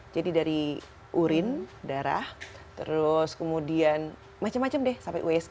jadi dari urin darah terus kemudian macam macam deh sampai usg